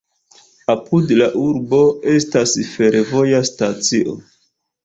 Apud la urbo estas fervoja stacio.